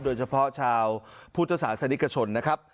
โดยเฉพาะชาวพุทธศาสนิกชนนะครับ